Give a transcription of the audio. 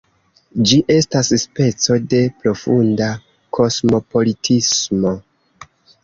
Ĝi estas speco de profunda kosmopolitismo.